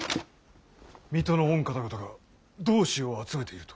水戸の御方々が同志を集めていると？